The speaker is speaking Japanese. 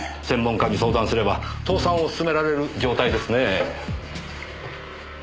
専門家に相談すれば倒産を勧められる状態ですねえ。